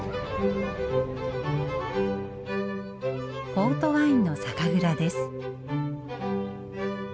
ポートワインの酒蔵です。